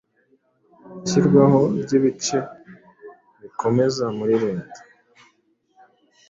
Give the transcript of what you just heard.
Ishyirwaho ryibice bikomeza Muri leta